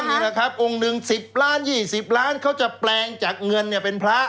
นี่แหละครับองค์หนึ่ง๑๐ล้าน๒๐ล้านเขาจะแปลงจากเงินเนี่ยเป็นพระ